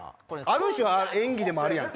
ある種演技でもあるやんか。